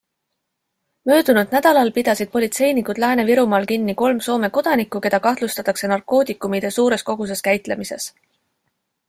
Möödunud nädalal pidasid politseinikud Lääne-Virumaal kinni kolm Soome kodanikku, keda kahtlustatakse narkootikumide suures koguses käitlemises.